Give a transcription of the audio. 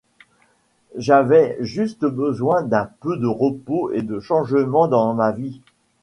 J'avais juste besoin d'un peu de repos et de changement dans ma vie.